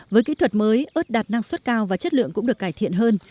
với kỹ thuật mới ớt đạt năng suất cao và chất lượng cũng được cải thiện hơn